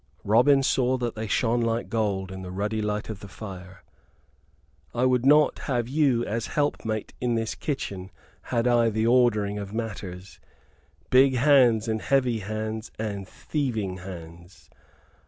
Robin saw that they shone like gold in the ruddy light of the fire. "I would not have you as helpmate in this kitchen had I the ordering of matters. Big hands and heavy hands and thieving hands.